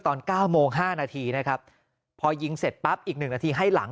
ตอน๙โมง๕นาทีนะครับพอยิงเสร็จปั๊บอีก๑นาทีให้หลัง